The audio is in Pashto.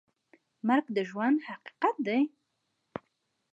مرګ د ژوند حقیقت دی؟